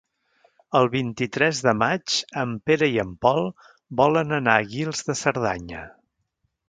El vint-i-tres de maig en Pere i en Pol volen anar a Guils de Cerdanya.